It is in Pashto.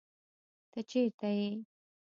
ته چېرته يې